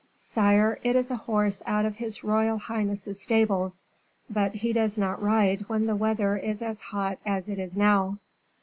"Sire, it is a horse out of his royal highness's stables; but he does not ride when the weather is as hot as it is now."